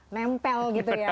nempel gitu ya